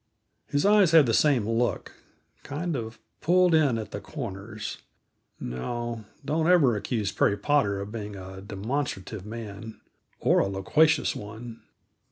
His eyes have the same look, kind of pulled in at the corners. No, don't ever accuse Perry Potter of being a demonstrative man, or a loquacious one.